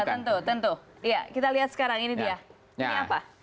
ya tentu tentu kita lihat sekarang ini dia ini apa